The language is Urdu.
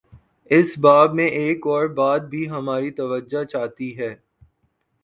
اس باب میں ایک اور بات بھی ہماری توجہ چاہتی ہے۔